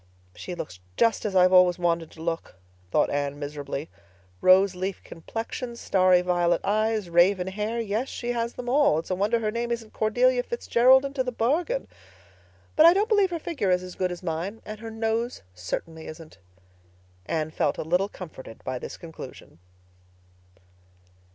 "She looks just as I've always wanted to look," thought Anne miserably. "Rose leaf complexion—starry violet eyes—raven hair—yes, she has them all. It's a wonder her name isn't Cordelia Fitzgerald into the bargain! But I don't believe her figure is as good as mine, and her nose certainly isn't." Anne felt a little comforted by this conclusion.